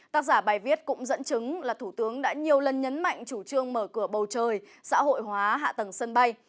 tác giả bài viết cũng dẫn chứng là thủ tướng đã nhiều lần nhấn mạnh chủ trương mở cửa bầu trời xã hội hóa hạ tầng sân bay